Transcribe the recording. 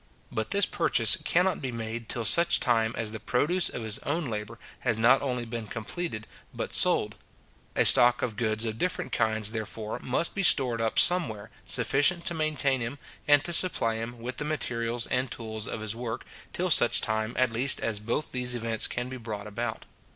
But this purchase cannot be made till such time as the produce of his own labour has not only been completed, but sold. A stock of goods of different kinds, therefore, must be stored up somewhere, sufficient to maintain him, and to supply him with the materials and tools of his work, till such time at least as both these events can be brought about.